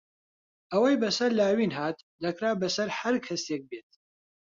ئەوەی بەسەر لاوین هات، دەکرا بەسەر هەر کەسێک بێت.